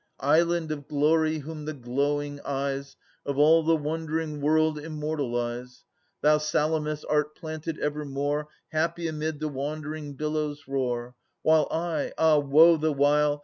Island of glory! whom the glowing eyes Of all the wondering world immortalize, Thou, Salamis, art planted evermore, Happy amid the wandering billows' roar ; While I— ah, woe the while!